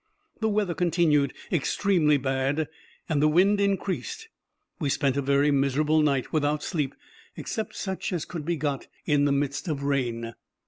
The weather continued extremely bad, and the wind increased; we spent a very miserable night, without sleep, except such as could be got in the midst of rain.